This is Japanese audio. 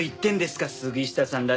杉下さんらしくもない。